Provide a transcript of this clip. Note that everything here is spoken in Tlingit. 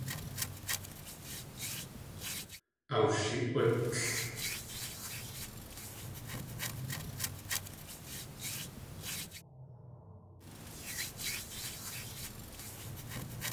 Awshi.útl.